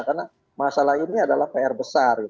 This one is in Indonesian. karena masalah ini adalah pr besar